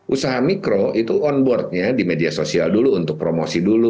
usaha mikro itu on boardnya di media sosial dulu untuk promosi dulu